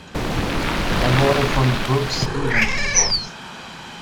Er wurde von Brooks Stevens entworfen.